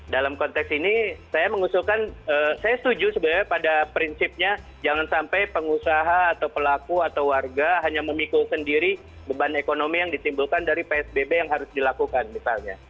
dalam konteks ini saya mengusulkan saya setuju sebenarnya pada prinsipnya jangan sampai pengusaha atau pelaku atau warga hanya memikul sendiri beban ekonomi yang ditimbulkan dari psbb yang harus dilakukan misalnya